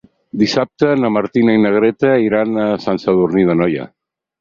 Dissabte na Martina i na Greta iran a Sant Sadurní d'Anoia.